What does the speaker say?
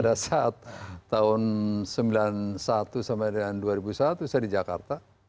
pada saat tahun seribu sembilan ratus sembilan puluh satu sampai dengan dua ribu satu saya di jakarta